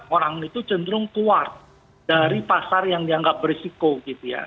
orang itu cenderung keluar dari pasar yang dianggap berisiko gitu ya